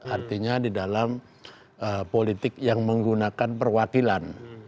artinya di dalam politik yang menggunakan perwakilan